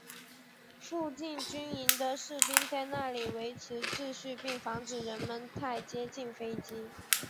附近军营的士兵在那里维持秩序并防止人们太接近飞机。